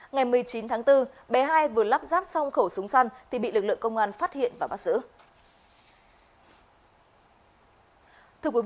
ngày một mươi chín tháng bốn bé hai vừa lắp ráp xong khẩu súng săn thì bị lực lượng công an phát hiện và bắt giữ